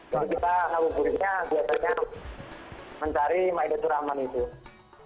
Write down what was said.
jadi kita ngabuburitnya biasanya mencari ma'idah surahman itu